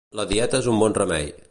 La dieta és bon remei.